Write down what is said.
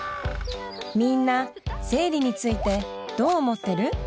みんな生理についてどう思ってる？